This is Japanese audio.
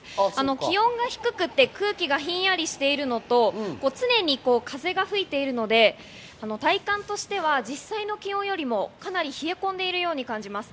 気温が低くて空気がひんやりしているのと、常に風が吹いているので、体感としては実際の気温よりも、かなり冷え込んでいるように感じます。